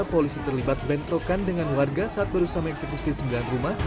polisi terlibat bentrokan dengan warga saat berusaha mengeksekusi sembilan rumah